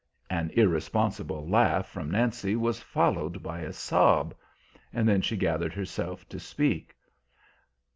An irresponsible laugh from Nancy was followed by a sob. Then she gathered herself to speak.